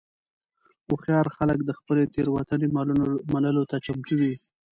هوښیار خلک د خپلې تېروتنې منلو ته چمتو وي.